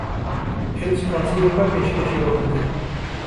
Em spasiyên xwe pêşkeşî wan dikin.